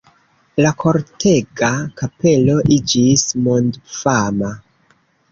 La Kortega kapelo iĝis mondfama.